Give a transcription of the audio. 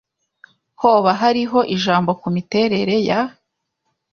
Hoba hariho ijambo ku miterere ya ?